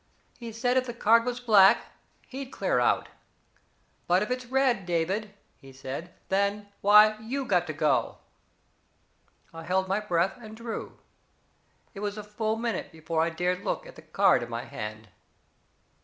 He said if the card was black, he'd clear out. 'But if it's red, David,' he said, 'why you got to go.' I held my breath, and drew. It was a full minute before I dared look at the card in my hand.